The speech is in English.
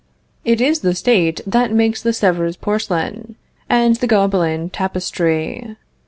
It is the State that makes the Sevres porcelain, and the Gobelin tapestry.